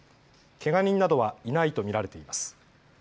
けが人などはいないと見られています。